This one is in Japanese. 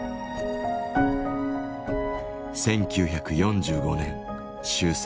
１９４５年終戦。